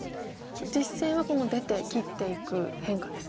実戦はこの出て切っていく変化ですね。